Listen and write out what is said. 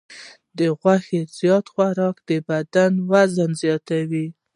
د غوښې زیات خوراک د بدن وزن زیاتوي.